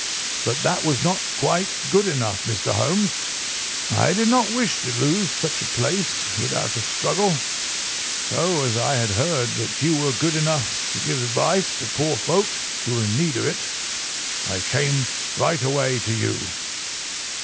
But that was not quite good enough, Mr. Holmes. I did not wish to lose such a place without a struggle, so, as I had heard that you were good enough to give advice to poor folk who were in need of it, I came right away to you."